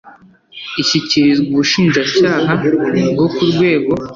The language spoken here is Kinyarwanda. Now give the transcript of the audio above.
ishyikirizwa ubushinjacyaha bwo ku rwego